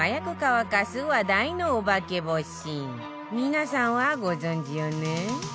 皆さんはご存じよね？